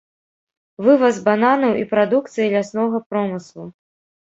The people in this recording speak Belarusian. Вываз бананаў і прадукцыі ляснога промыслу.